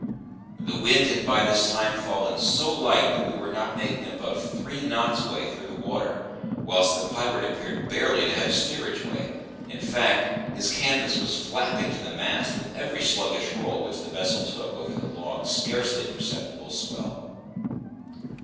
The wind had by this time fallen so light that we were not making above three knots' way through the water, whilst the pirate appeared barely to have steerage way in fact, his canvas was flapping to the mast with every sluggish roll which the vessel took over the long, scarcely perceptible swell.